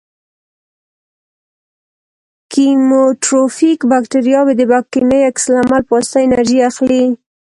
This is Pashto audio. کیموټروفیک باکتریاوې د کیمیاوي عکس العمل په واسطه انرژي اخلي.